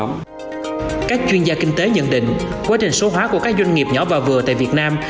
y tế nhận định quá trình số hóa của các doanh nghiệp nhỏ và vừa tại việt nam